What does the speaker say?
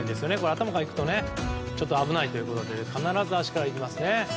頭からいくとちょっと危ないということで必ず足からいきますね。